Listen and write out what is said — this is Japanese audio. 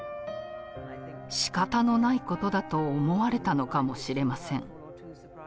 しかたのないことだと思われたのかもしれません。